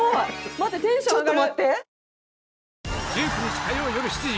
待ってテンション上がる！